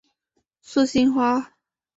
素兴花